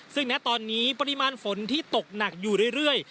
ซึ่งณตอนนี้ปริมาณฝนที่ตกหนักอยู่เรื่อย